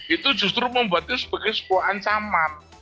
itu justru membuatnya sebagai sebuah ancaman